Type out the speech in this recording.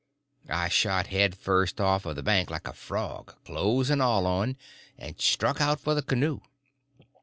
I shot head first off of the bank like a frog, clothes and all on, and struck out for the canoe.